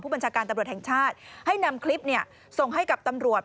บัญชาการตำรวจแห่งชาติให้นำคลิปส่งให้กับตำรวจ